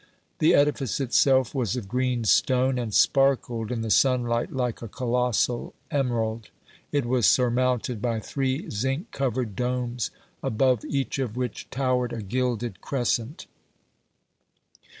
The edifice itself was of green stone, and sparkled in the sunlight like a colossal emerald. It was surmounted by three zinc covered domes, above each of which towered a gilded crescent.